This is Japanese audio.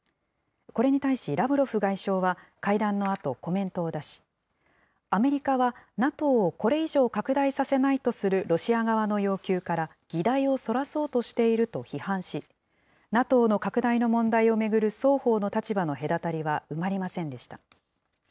これに対しラブロフ外相は、会談のあとコメントを出し、アメリカは、ＮＡＴＯをこれ以上、拡大させないとするロシア側の要求から議題をそらそうとしていると批判し、ＮＡＴＯの拡大の問題を巡る双方の立場の隔たりは埋まりませんでした。